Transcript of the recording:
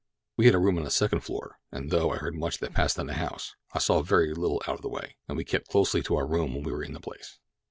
We had a room on the second floor, and though I heard much that passed in the house, I saw very little out of the way, as we kept closely to our room when we were in the place."